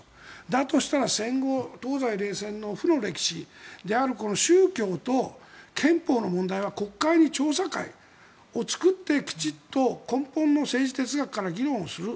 だとしたら戦後、東西冷戦の負の歴史である宗教と憲法の問題は国会に調査会を作ってきちんと根本の政治哲学から議論する。